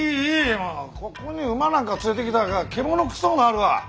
もうここに馬なんか連れてきたら獣臭うなるわ。